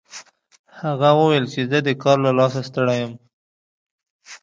هغه وویل چې زه د کار له لاسه ستړی یم